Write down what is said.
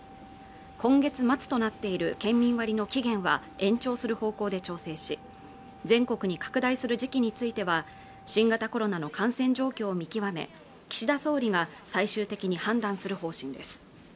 今月末となっている県民割の期限は延長する方向で調整し全国に拡大する時期については新型コロナの感染状況を見極め岸田総理が最終的に判断する方針です